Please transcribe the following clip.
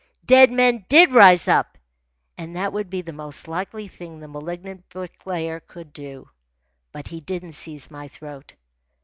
Dead men did rise up, and that would be the most likely thing the malignant Bricklayer would do. But he didn't seize my throat.